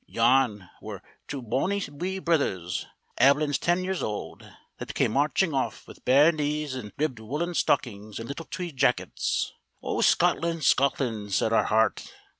Yon were twa bonny wee brithers, aiblins ten years old, that came marching off, with bare knees and ribbed woollen stockings and little tweed jackets. O Scotland, Scotland, said our hairt!